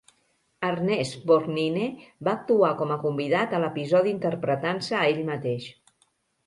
Ernest Borgnine va actuar com a convidat a l'episodi interpretant-se a ell mateix.